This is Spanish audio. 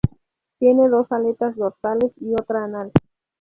Tiene dos aletas dorsales y otra anal.